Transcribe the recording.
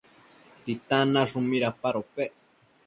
¿Titan nashun midapadopec?